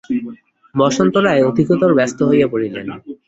বসন্ত রায় অধিকতর ব্যস্ত হইয়া পড়িলেন।